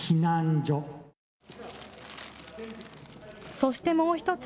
そして、もう１つ。